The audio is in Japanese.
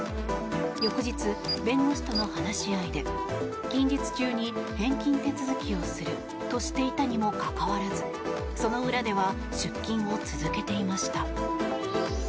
翌日、弁護士との話し合いで近日中に返金手続きをするとしていたにもかかわらずその裏では出金を続けていました。